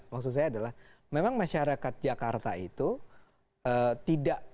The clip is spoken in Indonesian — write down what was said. maksud saya adalah memang masyarakat jakarta itu tidak